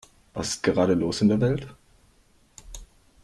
Was ist gerade los in der Welt?